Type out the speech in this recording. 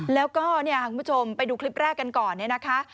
แล้วก็คุณผู้ชมไปดูคลิปแรกกันก่อนนะคะ